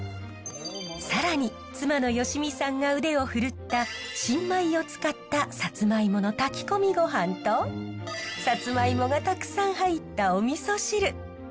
更に妻の良美さんが腕を振るった新米を使ったサツマイモの炊き込みごはんとサツマイモがたくさん入ったおみそ汁。